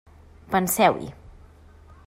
Penseu-hi.